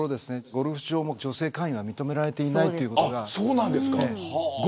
ゴルフ場も女性会員は認められていないです。